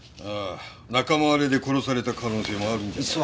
ああ仲間割れで殺された可能性もあるんじゃ。